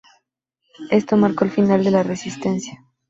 Esto marcó el final de la Resistencia.